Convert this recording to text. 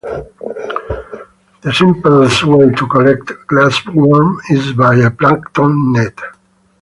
The simplest way to collect glassworms is by a plankton net.